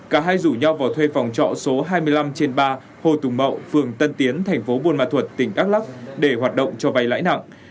cả hai rủ nhau vào thuê phòng trọ số hai mươi năm trên ba hồ tùng mậu phường tân tiến thành phố buôn mạ thuật tỉnh ấc lắp để hoạt động cho vai lãi nặng